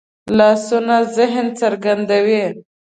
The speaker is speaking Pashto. لاسونه ذهن څرګندوي